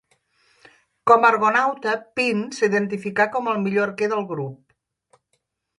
Com argonauta, Peant s'identifica com el millor arquer del grup.